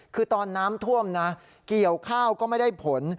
คือตอนน้ำท่วมนะเกี่ยวข้าวก็ไม่ได้ผล